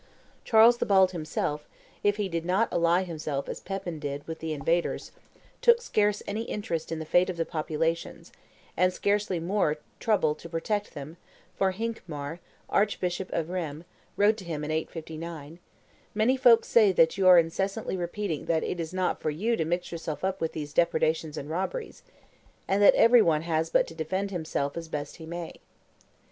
Charles the Bald himself, if he did not ally himself, as Pepin did, with the invaders, took scarce any interest in the fate of the populations, and scarcely more trouble to protect them, for Hincmar, archbishop of Rheims, wrote to him in 859, "Many folks say that you are incessantly repeating that it is not for you to mix yourself up with these depredations and robberies, and that every one has but to defend himself as best he may."